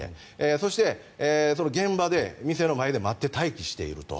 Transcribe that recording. そして、現場で、店の前で待って待機していると。